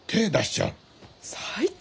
最低！